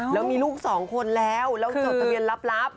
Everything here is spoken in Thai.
แล้วมีลูกสองคนแล้วแล้วจดทะเบียนลับ